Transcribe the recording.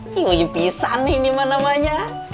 ciu ciu pisah nih ini manamanya